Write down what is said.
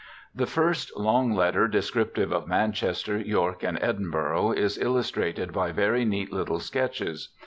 The first long letter, descriptive of Manchester, York, and Edinburgh, is illustrated by very neat little sketches.